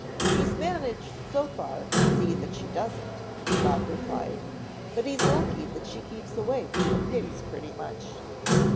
"He's managed so far to see that she doesn't," Bob replied, "but he's lucky that she keeps away from the pigs pretty much."